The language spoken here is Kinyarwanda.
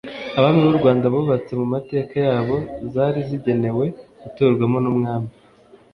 abami b'u Rwanda bubatse mu mateka yabo zari zigenewe guturwamo n'umwami